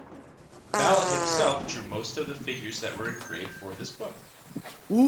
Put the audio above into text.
Mallet himself drew most of the figures that were engraved for this book.